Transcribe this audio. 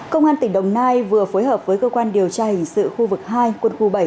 công an tỉnh đồng nai vừa phối hợp với cơ quan điều tra hình sự khu vực hai quân khu bảy